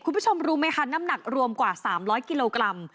คุณผู้ชมรู้ไหมคะน้ำหนักรวมกว่า๓๐๐กิโลกรัม